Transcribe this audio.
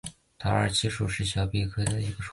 桃儿七属是小檗科下的一个属。